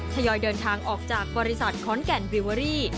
ยอยเดินทางออกจากบริษัทขอนแก่นวิเวอรี่